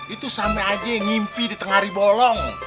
itu sampe aja ngimpi di tengah ribolong